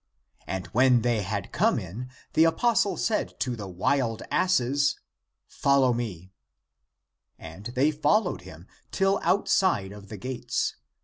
An^ 1 when they had come in, the apostle said to the wild asses, " Follow me." And they followed him till 294 THE APOCRYPHAL ACTS outside of the gates.